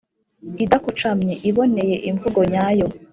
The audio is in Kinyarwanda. idakocamye, iboneye imvugo nyayo